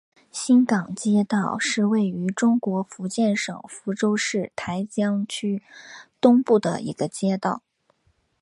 新港街道是位于中国福建省福州市台江区东部的一个街道。